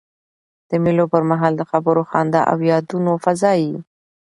د مېلو پر مهال د خبرو، خندا او یادونو فضا يي.